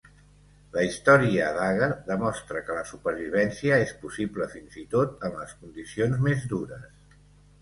La història d'Hagar demostra que la supervivència és possible fins i tot en les condicions més dures.